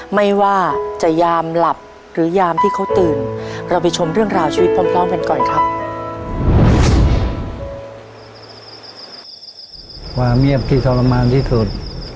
ความเงียบที่ทรมานที่สุด